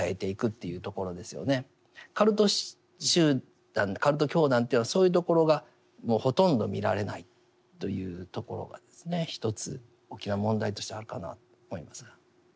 カルト集団カルト教団というのはそういうところがほとんど見られないというところがですね一つ大きな問題としてあるかなと思いますが。